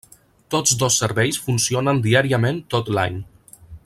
Tots dos serveis funcionen diàriament tot l'any.